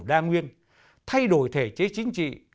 đa nguyên thay đổi thể chế chính trị